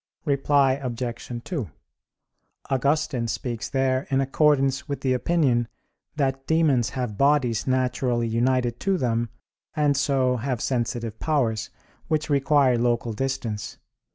Reply Obj. 2: Augustine speaks there in accordance with the opinion that demons have bodies naturally united to them, and so have sensitive powers, which require local distance.